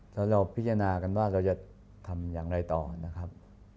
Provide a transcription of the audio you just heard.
แล้วเราพิจารณากันว่าเราจะทำอย่างไรต่อนะครับ